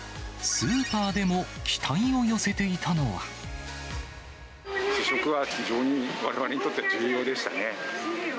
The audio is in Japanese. スーパーでも期待を寄せてい試食は非常にわれわれにとって重要でしたね。